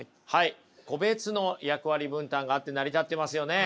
個別の役割分担があって成り立ってますよね。